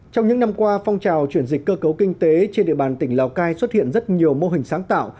trong những năm qua phong trào chuyển dịch cơ cấu kinh tế trên địa bàn tỉnh lào cai xuất hiện rất nhiều mô hình sáng tạo